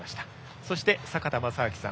そして、坂田正彰さん。